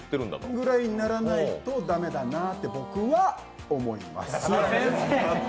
ぐらいにならないと駄目だなあと僕は思います。